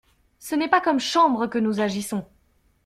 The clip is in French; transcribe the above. Ce n'est pas comme Chambre que nous agissons!